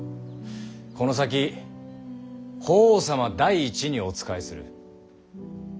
この先法皇様第一にお仕えする。